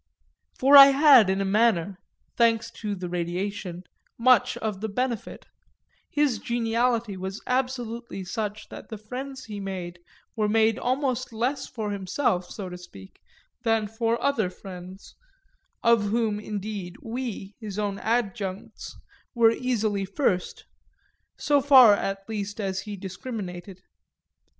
For I had in a manner, thanks to the radiation, much of the benefit; his geniality was absolutely such that the friends he made were made almost less for himself, so to speak, than for other friends of whom indeed we, his own adjuncts, were easily first so far at least as he discriminated.